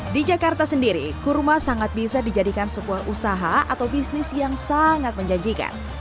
di jakarta sendiri kurma sangat bisa dijadikan sebuah usaha atau bisnis yang sangat menjanjikan